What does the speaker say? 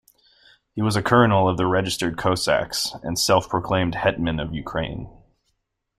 He was a colonel of the Registered Cossacks and self-proclaimed Hetman of Ukraine.